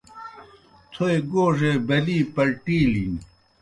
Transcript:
تھوئے گوڙے بلِی پلٹِیلِن۔